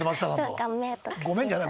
「ごめん」じゃない。